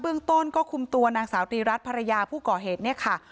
เรื่องต้นก็คุมตัวนางสาวตรีรัฐภรรยาผู้ก่อเหตุเนี่ยค่ะ